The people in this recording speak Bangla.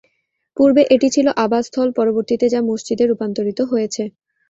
পূর্বে এটি ছিল আবাসস্থল, পরবর্তীতে যা মসজিদে রূপান্তরিত হয়েছে।